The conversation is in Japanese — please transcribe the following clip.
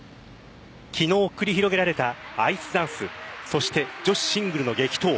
昨日繰り広げられたアイスダンスそして女子シングルの激闘。